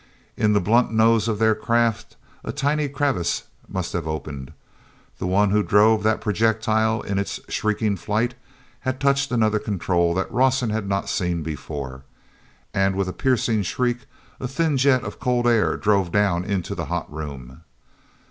In the blunt nose of their craft a tiny crevice must have opened. The one who drove that projectile in its shrieking flight had touched another control that Rawson had not before seen. And with a piercing shriek a thin jet of cold air drove down into the hot room.